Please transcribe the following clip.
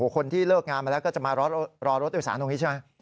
คนที่เลิกงานมาแล้วก็จะมารอรถโดยสารตรงนี้ใช่ไหม